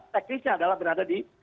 teknisnya adalah berada di